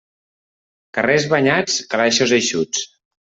Carrers banyats, calaixos eixuts.